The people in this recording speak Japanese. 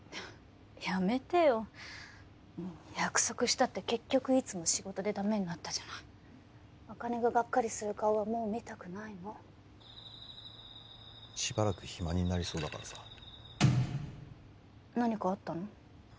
やめてよ約束したって結局いつも仕事でダメになったじゃない茜ががっかりする顔はもう見たくないのしばらく暇になりそうだからさ何かあったの？